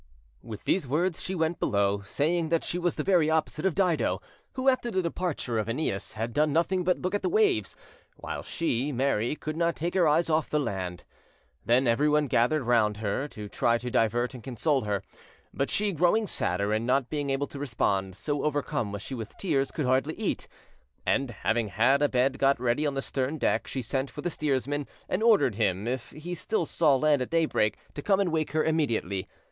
With these words, she went below, saying that she was the very opposite of Dido, who, after the departure of AEneas, had done nothing but look at the waves, while she, Mary, could not take her eyes off the land. Then everyone gathered round her to try to divert and console her. But she, growing sadder, and not being able to respond, so overcome was she with tears, could hardly eat; and, having had a bed got ready on the stern deck, she sent for the steersman, and ordered him if he still saw land at daybreak, to come and wake her immediately.